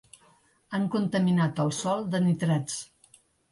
Han contaminat el sòl de nitrats.